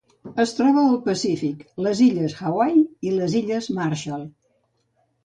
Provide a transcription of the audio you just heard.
Es troba al Pacífic: les Illes Hawaii i les Illes Marshall.